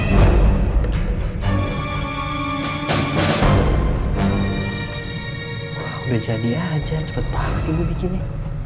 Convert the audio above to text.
nah udah jadi aja cepet banget bu bikinnya